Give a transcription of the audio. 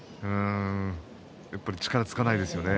やっぱり力がつかないですね。